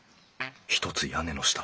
ひとつ屋根の下